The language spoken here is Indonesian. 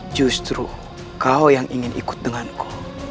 justru kau yang ingin ikut denganku